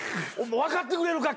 分かってくれるか？